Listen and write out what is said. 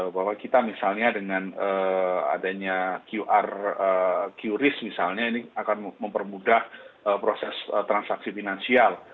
bahwa kita misalnya dengan adanya qr qris misalnya ini akan mempermudah proses transaksi finansial